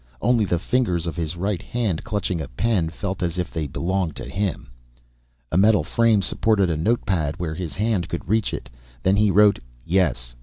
Only the fingers of His right hand, clutching a pen, felt as if they belonged to Him. A metal frame supported a note pad where His hand could reach it. Then he wrote, "Yes.